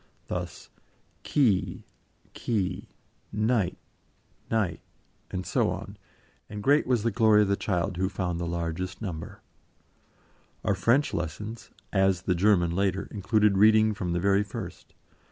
Thus: "key, quay," "knight, night," and so on, and great was the glory of the child who found the largest number. Our French lessons as the German later included reading from the very first.